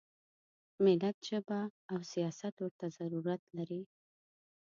ملت ژبه او سیاست ورته ضرورت لري.